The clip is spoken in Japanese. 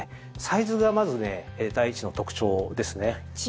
サイズがまずね第一の特徴ですね。